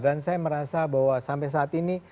dan saya merasa bahwa sampai saat ini